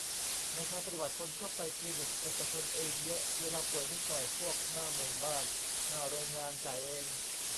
ในทางปฏิบัติคนก็ไปคลินิคเอกชนเองเยอะ เวลาป่วยนิดหน่อย พวกหน้าหมู่บ้านหน้าโรงงาน จ่ายเอง